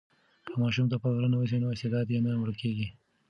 که ماشوم ته پاملرنه وسي نو استعداد یې نه مړ کېږي.